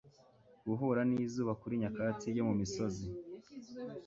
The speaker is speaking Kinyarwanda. Guhura n'izuba kuri nyakatsi yo mu misozi;